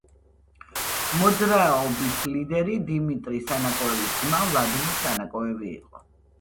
მოძრაობის ლიდერი დიმიტრი სანაკოევის ძმა ვლადიმერ სანაკოევი იყო.